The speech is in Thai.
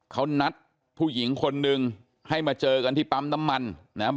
เขานัดผู้หญิงคนนึงให้มาเจอกันที่ปั๊มน้ำมันนะครับ